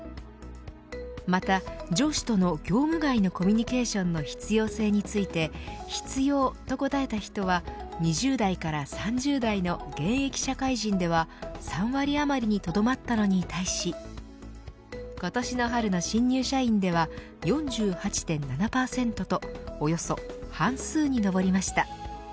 また上司との業務外のコミュニケーションの必要性について必要、と答えた人は２０代から３０代の現役社会人では３割あまりにとどまったのに対し今年の春の新入社員では４８．７％とおよそ半数に上りました。